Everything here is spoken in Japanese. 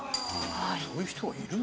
そういう人はいるの？